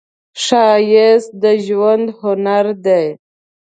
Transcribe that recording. ښایست د ژوند هنر دی